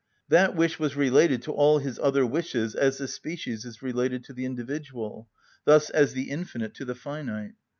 That wish was related to all his other wishes as the species is related to the individual, thus as the infinite to the finite.